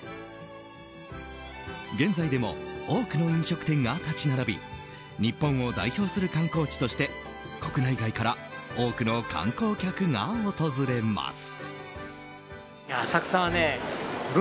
現在でも多くの飲食店が立ち並び日本を代表する観光地として国内外から多くの観光客が訪れます。